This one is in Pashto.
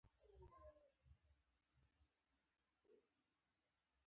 وسلې نه درلودې، معده مې یو مخ خالي وه.